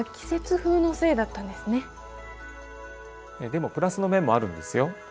でもプラスの面もあるんですよ。